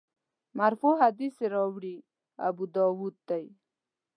مرفوع حدیث راوي ابوداوود دی.